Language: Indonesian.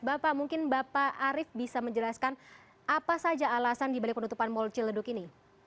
bapak mungkin bapak arief bisa menjelaskan apa saja alasan dibalik penutupan mall ciledug ini